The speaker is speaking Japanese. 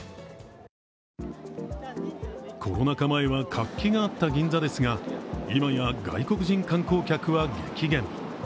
コロナ禍前は活気があった銀座ですが今や外国人観光客は激減。